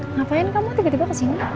ngapain kamu tiba tiba kesini